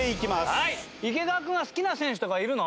池川君は好きな選手とかいるの？